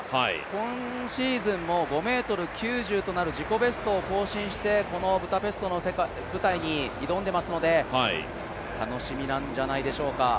今シーズンも５ｍ９０となる自己ベストを更新してこのブダペストの舞台に挑んでいますので楽しみなんじゃないでしょうか。